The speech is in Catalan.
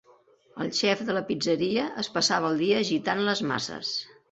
El xef de la pizzeria es passava el dia agitant les masses.